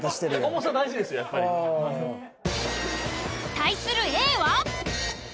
対するＡは？